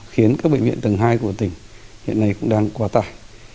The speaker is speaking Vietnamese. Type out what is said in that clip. khiến các bệnh viện tầng hai của tỉnh hiện nay cũng đang quá tải